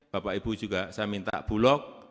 bapak ibu juga saya minta bulog